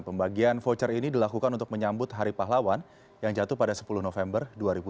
pembagian voucher ini dilakukan untuk menyambut hari pahlawan yang jatuh pada sepuluh november dua ribu dua puluh